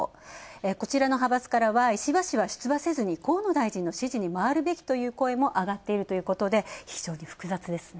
こちらの派閥からは、石破氏は出馬せずに河野大臣の支持に回るべきという声も上がっているということで非常に複雑ですね。